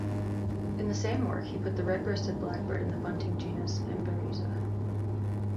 In the same work, he put the red-breasted blackbird in the bunting genus "Emberiza".